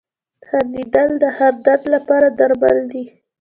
• خندېدل د هر درد لپاره درمل دي.